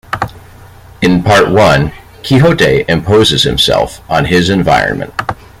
In Part One, Quixote imposes himself on his environment.